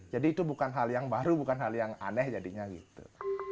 jadi itu bukan hal yang baru bukan hal yang aneh jadinya gitu